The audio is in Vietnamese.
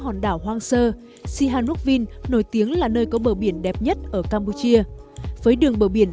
hòn đảo hoang sơ sihanukvin nổi tiếng là nơi có bờ biển đẹp nhất ở campuchia với đường bờ biển